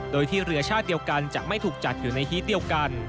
โดยที่เรือชาติเดียวกันจะไม่ถูกจัดอยู่ในฮีตเดียวกัน